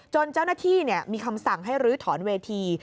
เจ้าหน้าที่มีคำสั่งให้ลื้อถอนเวที